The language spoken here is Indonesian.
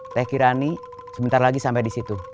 teh kirani sebentar lagi sampai disitu